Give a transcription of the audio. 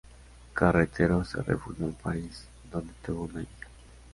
Carretero se refugió en París, donde tuvo una hija.